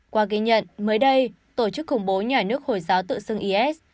qua ghi nhận mới đây tổ chức khủng bố nhà nước hồi giáo tự xưng is